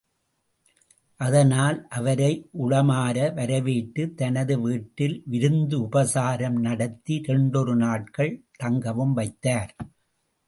அதனால், அவரை உளமார வரவேற்று தனது வீட்டில் விருந்துபசாரம் நடத்தி இரண்டொரு நாட்கள் தங்கவும் வைத்தார்.